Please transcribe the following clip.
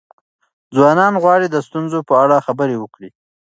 ځوانان غواړي د ستونزو په اړه خبرې وکړي.